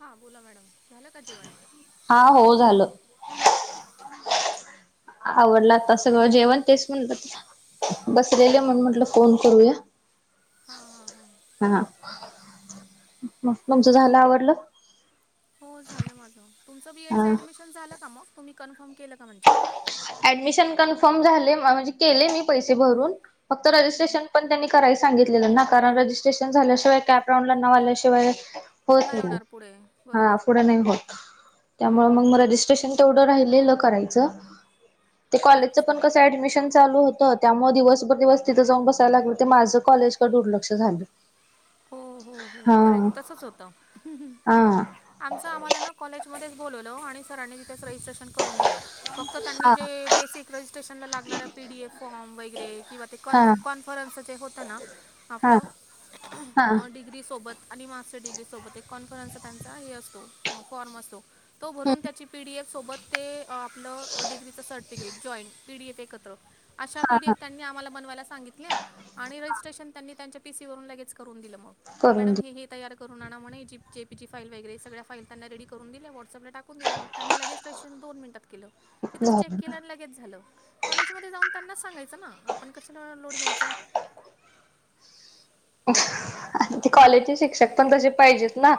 हा बोला मॅडम झालं का जेवण? हा, हो, झालं. अच्छा. आवरल आता सगळं जेवण तेस म्हणल. बसलेेल म्हणून म्हंटलं फोन करूया. हा, हा, हा. हा मग तुमचं झायला आवरलं? हो झालं माझं तुमचं बी, एड, चं ऍडमिशन झालं का मग तुम्ही कन्फर्म केलं का म्हणजे. ऍडमिशन कन्फर्म झाले म्हणजे केले मी पैसे भरून फक्त रजिस्ट्रेशन पण त्यांनी कराय सांगितलेलं ना कारण रजिस्ट्रेशन झाल्याशिय कॅपरांऊड ला नवा आल्या शिवाय हा होते मग हा पुढं नाही होत त्यामुळे मग रजिस्ट्रे रजिस्ट्रेशन तेवढं राहिलेलं करायचं ते कॉलेजचं पण कसं ऍडमिशन चालू होत. त्यामुळे दिवस न दिवस तिथं जाऊन बसायला लागलं. ते माझं कॉलेजकडे दुर्लक्ष झालं. हो हो हो करेक्ट. तसंच होतं. आमचं आम्हाला न कॉलेजमध्येच बोलवलं. आणि सरांनी तिथच रजिस्ट्रेशन करून दिल. फक्त त्यांनी जे बेसिक रजिस्ट्रेशनला लागणारा पीडीएफ फॉर्म वगैरे. किंवा ते कॉन्फ कॉन्फरन्सच जे होत ना आपलं. डिग्री सोबत. आणि मास्टर डिग्री सोबत. एक कॉन्फरन्सचा त्यांचा हे असतो. फॉर्म असतो. तो भरून, त्याची पीडीएफ सोबत ते आपलं डिग्रीच सर्टिफिकेट जॉईंट. पीडी यफ तेे एकत्र. अशा पीडीएफ त्यांनी आम्हाला बनवायला सांगितल्या. आणि रजिस्ट्रेशन त्यांनी त्यांच्या पीसी वरुन. लगेच करून दिल. म मॅडम हे हे. तयार करून आण म्हणे. जेपीची फाई वगैरे सगळया फाईल त्यांना रेडी करून दिल्या. वॉट्सपला टकू टाकून दिल्या. मग त्यांनी लगेच रजिस्ट्रेशन दोन मिनिटात केलं. तिथेच चेक केल्यान लगेच झाल. कॉलेज मध्ये जाऊन त्यांनाच सांगायचं ना. आपण कशाला लोड घ्यायचा. ते कॉलेजचे शिक्षक पण, तसे पाहिजेत ना.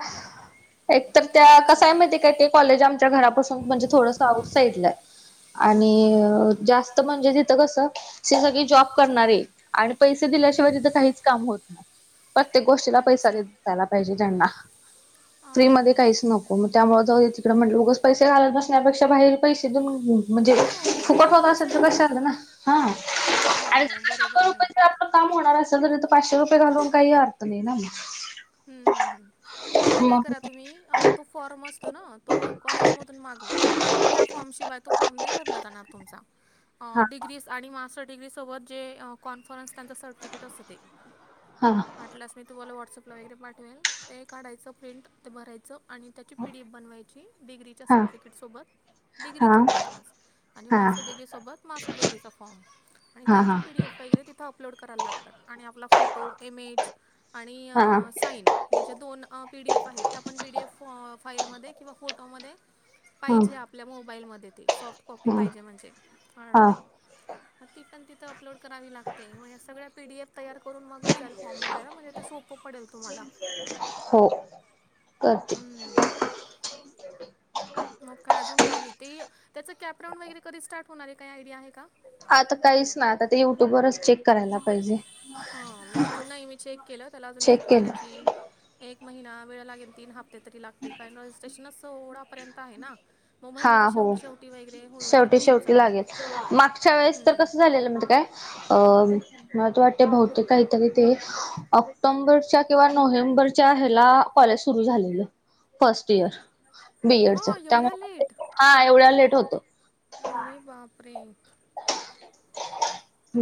एक तर त्या कसाय माहितीय काय. ते कॉलेज आमच्या घरापासून म्हणजे थोडस आउट साईडलाय. आणि जास्त म्हणजे तिथं कस. सगळी जॉब करणारीय. आणि पैसे दिल्याशिवाय, तीथ काहीच काम होत नाही. प्रत्येक गोष्टीला पैसा दयला पाहिजे त्यांना. फ्री मध्ये काहीच नको. हो म त्यामुळे जाऊ तिकडे म्हटलं. उगच पैसे घालवत बसण्यापेक्षा. बाहेर पैसे देऊन म्हणजे फुकट होत असेल तर कशाला ना. ह. काम होणार असेल, तीथ पाचशे रुपये घालून काही अर्थ नाही ना मग. हम्म हम्म हम्म. त्याला काय करा तुम्ही. अ तो फॉर्म असतो ना. तो कॉलेज मादन मागवा. त्या फॉर्म शिवाय. तो फॉर्म नाही भरला जाणार तुमचा. डिग्रीज आणि मास्टर डिग्रीसोबत. जे कॉन्फरन्स त्यांचं सर्टिफिकेट असतं ते. हा. वाटलंसत मी तुम्हाला व्हॉट्सअप वैगरे पाठवेल. ते काढायचं प्रिंट. ते भरायचं आणि त्या ची पीडीएफ बनवायची. डिग्रीच्या सर्टिफिकेट सोबत. डिग्रीच कॉन्फरन्स आणि मास्टर डिग्रीसोबत मास्टर डिग्रीचा फॉर्म. आणि त्यांची पी डी एफ वगैरे तिथं अपलोड करायला लागतात. आणि आपला फोटो, इमेज आणि साईन. या ज्या दोन पीडीएफ आहेत. त्या पण पीडीएफ फाईलमध्ये किंवा फोटोमध्ये पाहिजे आपल्या मोबाईलमध्ये ते. सॉफ्ट कॉपी पाहिजे. म्हणजे. हार्ड नाही. मग ती पण तिथं अपलोड करावी लागते. मग या सगळ्या पीडीएफ तयार करून मागत जाईल फॉर्म भराया. म्हणजे ते सोपं पडेल. हो करते. हम्म. मग काय अजून राहिली ते. त्याचं कॅपराऊंड वगैरे कधी स्टार्ट होणारे. काही आयडिया आहे का? आता काहीच नाय. आता ते युट्यूबरच चेक ह मी पण नाही मी चेक केलं. त्याला अजून एक महिन्याची एक महिना वेळ लागेल. तीन हप्ते तरी लागतील. कारण रजिस्ट्रेशनच सोळापर्यंत आहे ना. हा, हो. शेवटी शेवटी लागेल. मागच्या वेळेस तर कसं झालेलं. म्हणज काय? अ मला त वाटते बहतेक काहीतरी ते. ऑक्टोबरच्या किंवा नोव्हेंबरच्या हेला कॉलेज सुरू झालेल. First year. बीएड च. त्यामुळे, हा एवढ्या लेट होत. बापरे.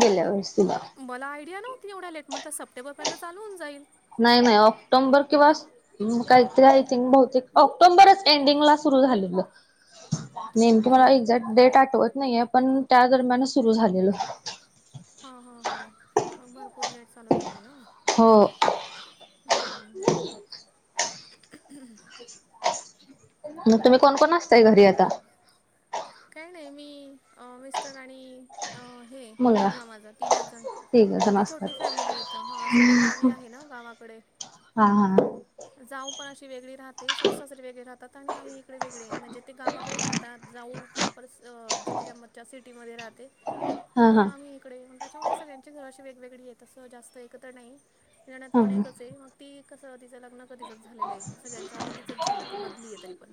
गेल्या वर्षी. मला आयडिया नव्हती एवढ्या लेट. म्हटलं सप्टेंबर पर्यंत चालू होउन जाईल. नाही नाही. ऑक्टोंबर किंवास काहीतरी. आय थंक बहुतेक. ऑक्टोंबरच एंडिंगला सुरू झालेलं. नेमकीे मला एक्झॅक्ट डेट आठवत नाहीये. पण त्या दरम्यानच सुरू झालेलं. हा हा ह. मग भरपूर लेट चालू झालाय ना. हो हम. [inaudible] मग तुम्ही कोणकण असताय घरी आता? काही नाही मी मिस्टर आणि हे मुलगा माझा तीनच जण. आमची छोटी फॅमिली इथं हा सगळे गावी आहे ना गावाकडे. हा हा. जाऊ पण अशी वेगळी राहते सासु सासरे वेगळे राहतात आणि आम्ही इकडे वेगळे म्हणजे ते गावाकडे राहतात जाऊ प्रॉपर जिल्ह्यामच्या सिटीमध्ये राहते आणि आम्ही इकडे त्याच्यामुळे सगळ्यांची घर अशी वेगवेगळी आहे तसं जास्त, एकत्र नाही किरण्यात पण एकच आहे ती कसं तिचं लग्न कधीच झालेलं आहे सगळ्यांच्या आधी तिचंच झालं ती मधली आहे तरी पण.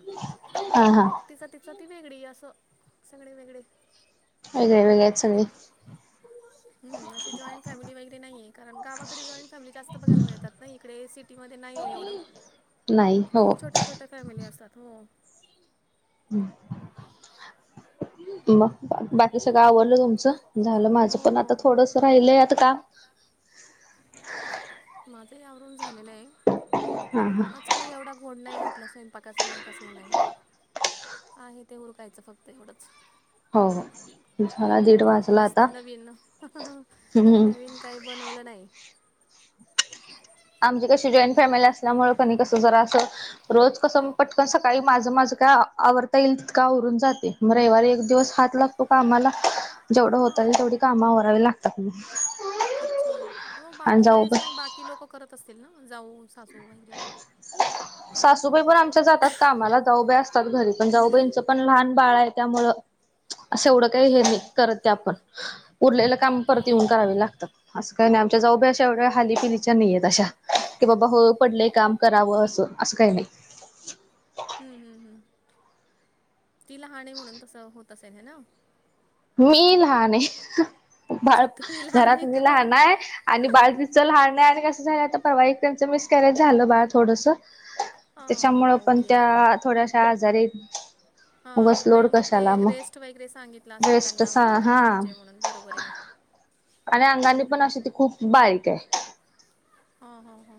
मग तिचा तिचा ती वेगळी असं सगळे वेगळे वेगळे वेगळेे आहेत सगळे. अशी जॉईंट फॅमिली वगैरे नाही आहे कारण गावाकडे जॉईंट फॅमिली जास्त बघायला मिळतात ना इकडे सिटीमध्ये नाही आहे एवढं. ह [inaudible] खूप छोट्या छोट्या फॅमिली असतात हो. हम् [inaudible] मग बाकी सगळं आवडलं तुमचं झालं माझं पण आता थोडंस राहिलय आता का माझं, आवरून झालेलं आहे आज काही एवढा कोड नाही घातला स्वयंपाकाचा नाही कसलं नाही. आहे ते उरकाायचं फक्त एवढंच हम्म जास्त नवीन नवीन काही बनवलं नाही. [inaudible] आमची कशी जॉईंट फॅमिली असल्यामुळे क कसं जरा असं रोज कसं पटकन सकाळी माझं माझं काय आवरता येईल का, आवरून जाते. रविवारी एक दिवस हात, लाग तो कामाला जेवढं होत आहे तेवढी काम, आवरावी लागते त [unintelligible] [inaudible] अच्छा मग बाकी वेळेस मग बाकी लोक करत असतील ना जाऊ सासू वगैरे? [inaudible] सासूबाई पण आमच्या जातात कामाला जाऊबाई असतात घरी पण जाऊबाईंचं पण लहान बाळ आहे त्यामुळं असं एवढं काही हे नाही करत त्या पण उरलेलं काम परत येऊन करावे लागतात. असं काही नाही आमच्या जाऊ बाईअश एवढ्या हालीपिलीच्या नाहीयेत अशा. की बाबा होळ पडलेय काम करावं असं असं काही नाही. हम्म हम्म हम्म ती लहाण हे म्हणून तसं होत असेल ह ना? मी लहान आहे बाळ घरात मी लहान आहे. आणि बाळ तिच लहान आहेआणि कसं झालं आता परवा एक त्यांच मिसकँरेज झालं बाळ थोडस. त्याच्यामुळ पण त्या थोड्याश्या आजारी हायीत. हा नाही मग ते रेस्ट वगैरे सांगितले असेल त्यांना मग आराम पाहिजे म्हणून बरोबर आहे. आणि अंगानी पण अशी त खूप बारीक आहे. हो हो हो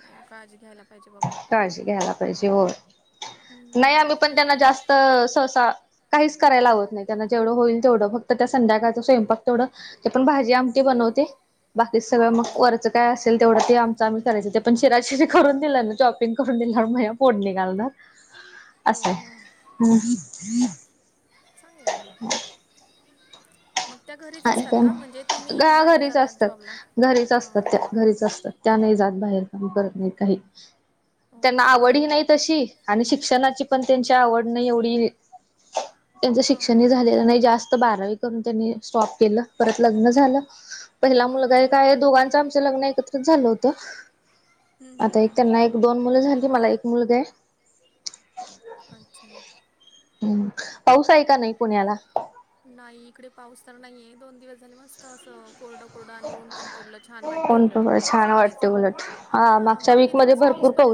नाही बघ काळजी घ्यायला काळजी घ्यायला पाहिजे हो नाही आम्ही पण त्यांना जास्त सहसा काहीच करायला लावत नाही त्यांना जेवढं होईल तेवढं फक्त त्या संध्याकाळचा स्वयंपाक तेवढं ते पण भाजी आमटी बनवते. बाकीच सगळं मग वरच काय असेल तेवढं ते आमचं आम्ही करायच ते पण शेराशिरी करून दिला ना जॉब [unintelligible] ग करून दि फोन निघालणार असे चांगलेय मग मग त्या घरी ग घरीच असतात घरीच असतात त्या घरीच असतात नाही जात बाहेर काम करत नाही काही त्यांना आवडही नाही तशी आणि शिक्षणाची पण त्यांची आवड नाही एवढी त्यांचं शिक्षण झालेलं नाही जास्त बारावी करून त्यांनी स्टॉप केलं परत लग्न झालं पहिला मुलगा एक आहे दोघांचं आमच लग्न एकत्र झालं होत आता एक त्यांना एक दोन मुलं झाली मला एक मुलग आहे अच्छा हम् पाऊस आहे का नाही पुण्याला नाही इकडे पाऊस तर नाहीये दोन दिवस झाले मस्त असं कोरडं कोरडं आणि ऊन पण पडलं छान वाटतंय उलट संडेच हा बाकी दिवस पाऊस प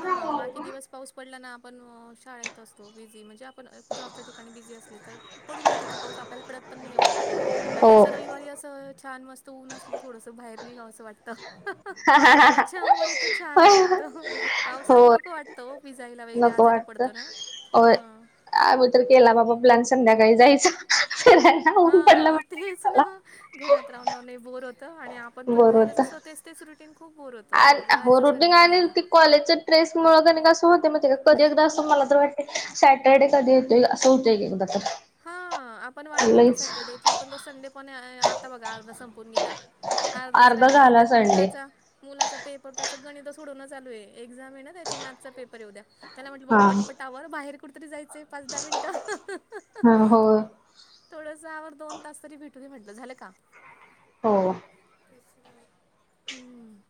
हा बाकी दिवस पाऊस पडला ना आपण शाळेत असतो बझी म्हणजे पण्या आपच्या ठिकाणी बिझी असले तर पडून जाते ते पाऊस आपल्याला कळत पण नाही एवढं आणि असं रविवारी असं छान मस्त ऊन असलं थोडंसं बाहेर नाही गावं असं वाटतं त्याच्यामुळे ते छान वाटतं पावसात नको वाटतं हो पिजायला वगरे आजारी पडतोरा हां अग तर केला बाबा प्लॅन संध्याकाळी जायचं फिरय हा तेच ना घरात राहून नाही बोर होत आणि आपण पण बाहेरच असत तेच तेच रुटिंग खूप बरतते आणि हो रुटिंग आणि ती कॉलेजच ट्रेस् मुळ क कसं होते मग ते कधी एकदा असं मला तर वाटते सॅटरडे कधी येतोय असं होतं एकदा तर हा आपण वाट बघतो सॅटर्डेची पण तो संडे पण आता बघा संपून गेला अर्धाच राहिलाय त्यात मुलाचा मुलाचा पेपर त्याच गणित सोडवण चालू आहे एक्झाम आहे ना त्याची मॅथचा पेपर एवद्या त्याला म्हटलं बाऊ पटपटावर बाहेर कुठेतरी जायचेंय पाच दहा मिनटं हा हो थोडंसवर दोन तास तरी भेटू म्हटलं झालं का हो हम्म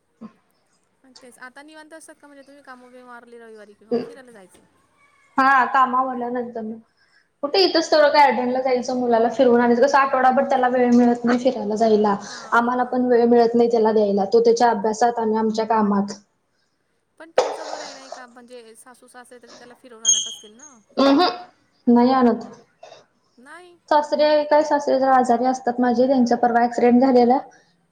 ग तेच आता निवांत असत का म्हणजे तुम्ही कामोी मारली रविारी किवा मग फिरायला जायचं हा कामावरल्या नंतर मग कुठे इथंच तेथोढं काय अर्डणला जायचं मुला फिरवून कस आठवडाभर त्याला वेळत नाही त्याला जायला आम्हाला पण वेळ मिळत नाही त्याला द्यायला तो त्याच्या अभ्यासात आम्ही आमच्या कामात पण तुमचं बरं आहे नाही का म्हणजे सासू सासरे तरी त्याला फिरवून आणत असतील ना नयानत नाही सासरे काही सासरे ज आजारी असतात माझे त्यांच्या परवा ऍक्सिडेंट झालेला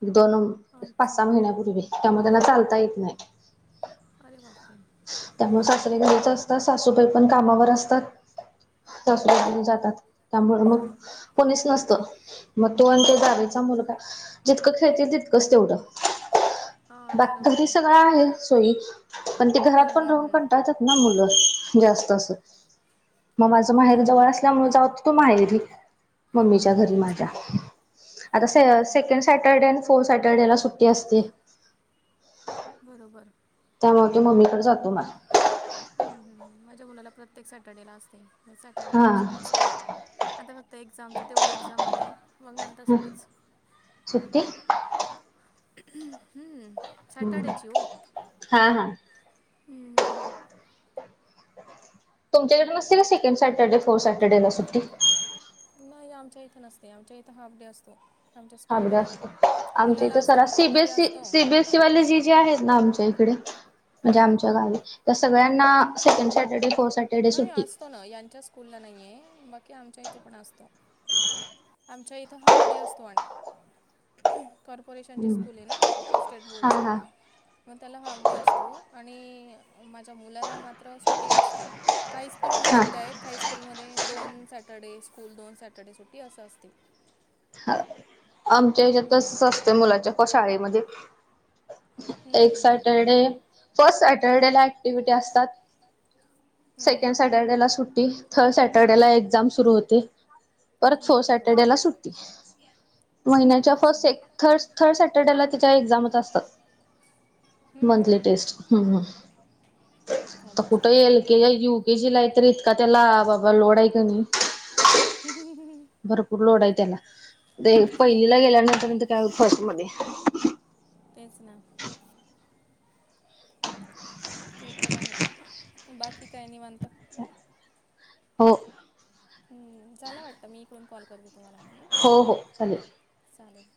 एक दोन पाच सहा महिन्यापूर्वी त्यामुळे त्यांना चालता येत नाही अरे वापरे त्यामुळे सासरे गलीच असतात सासूबाई पण कामावर असतात जातात त्यामु मग कोणीच नसत मग तो आणि त्या दवेचा मुलगा जितकं खेळतील तितकंच तेवढं ब घरी सगळं आहे सोयी घरात पण राहून पंटाळतात ना मुलं जास्त अस मग माझं माहेर जवळ असल्यामुळे जाऊतं तू माहेरी मम्मीच्या घरी माझ्या आता स सेकंड सॅटर्डे आणि फोर्थ सॅटर्डे ला सुट्टी असते बरोबर त्यामुळे तो मम्मी कडे जातो माझ्या ह् ह माझ्या मुलाला प्रत्येक सॅटर्डे ला असते म सॅटर्डे टेन्शन नसतं आता फक्त एक्झामचा तेवढी एक्झाम आहे मग नंतर सुट्टीच सुट्टी हम्म. हम्म हा हा. हम्म. तुमच्याकडे नसते का सेकंड सॅटर्डे फोर सॅटर्डेला सुट्टी. नाही आमच्या इथं नसते आमच्या इथं हाफ डे असतो आमच्या स्कूलमध्ये. आमच्या इथं सरा सीबीएससी सीबीएसई वाले जी जे आहेत ना आमच्या इकडे. म्हणजे आमच्या गावी त्या सगळ्यांना सेकंड सॅटर्डे फोर् सॅटर्डे सुट्टी. असतो ना यांच्या स्कूलला नाहीये आहे बाकी आमच्या इथे पण असतो. आमच्या इथं हाफ डे असतो आणि. कॉर्पोरेशनची स्कूल आहे ना स्टेट बोर्डची. मग त्याला हाफ डे असतो आणि माझ्या मुलाला मात्र सुट्टी असते. काही स्कूलमध्ये सुट्या आहेत काही स्कूलमध्ये दोन सॅटरडे स्कूल दोन सॅटरडे सुट ही असं असते. ह आमच्या हेच्यात तसच असते मुलाच्या क शाळेमध्ये. एक सॅटर्डे. फर्स्ट सॅटरडेला ऍक्टिव्हटी असतात सेकंड सॅटरडेला सुट्टी. थर्ड सॅटरडेला एक्झाम सुरू होते परत फोर्थ सॅटर्डे ला सुट्टी. महिन्याच्या फर्स्ट थर्ड सॅटर्डेला त्याच्या एक्झामच असतात. मंथली टेस्ट हम हम त कुठे येईल. यु के जी ला आहे तर इतका त्याला बाबा लोड आहे का नाही. हि हि हि हि. भरपूर लोड आहे त्याला ते पहिलीला गेल्यानंतर नंतर तर काय फर्स्ट मध्ये. तेच ना. [inaudible] ते तर आहे बाकी काय निवांत. हो. झाला वाटतं मी इकडून कॉल करते तुम्हाला. हो हो चालेल. चालेल.